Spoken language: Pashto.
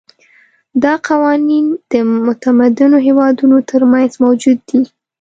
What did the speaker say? دا قوانین د متمدنو هېوادونو ترمنځ موجود دي.